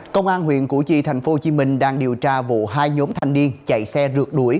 công an huyện củ chi thành phố hồ chí minh đang điều tra vụ hai nhóm thanh niên chạy xe rượt đuổi